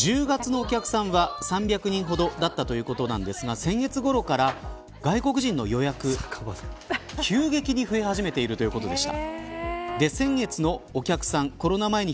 １０月のお客さんは３００人ほどだったということですが先月ごろから外国人の予約急激に増え始めているということでした。